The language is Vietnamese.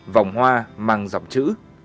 vòng hoa mang dọc chữ